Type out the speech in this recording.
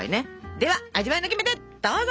では味わいのキメテどうぞ！